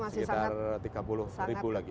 sekitar tiga puluh ribu lagi